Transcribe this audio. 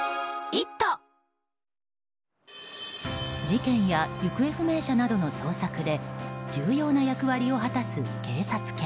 事件や行方不明者などの捜索で重要な役割を果たす警察犬。